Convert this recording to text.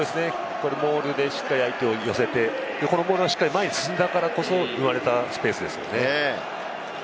モールでしっかり相手を寄せて、モールを前に進んだからこそ生まれたスペースですよね。